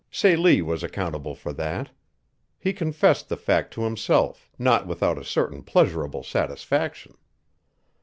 Celie was accountable for that. He confessed the fact to himself, not without a certain pleasurable satisfaction.